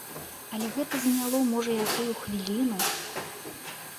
Але гэта заняло можа якую хвіліну.